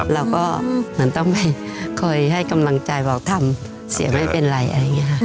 แล้วก็มันต้องไปคอยให้กำลังใจบอกทำเสียไม่เป็นไรอะไรอย่างเงี้ย